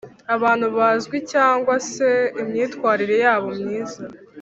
abantu bazwi cyangwa se imyitwarire yabo myiza